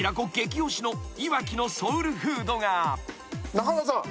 中畑さん。